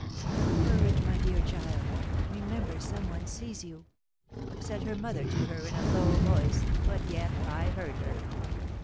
'Courage, my dear child; remember some one sees you,' said her mother to her, in a low voice, but yet I heard her.